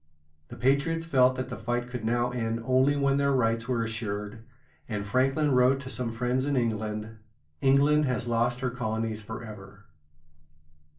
The patriots felt that the fight could now end only when their rights were assured; and Franklin wrote to some friends in England: "England has lost her colonies forever."